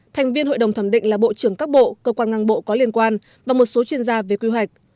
thành viên hội đồng thẩm định là bộ trưởng các bộ cơ quan ngang bộ có liên quan và một số chuyên gia về quy hoạch